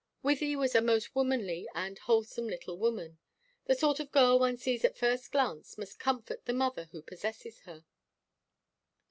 Wythie was a most womanly and wholesome little woman, the sort of girl one sees at first glance must comfort the mother who possesses her.